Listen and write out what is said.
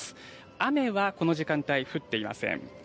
雨はこの時間帯、降っていません。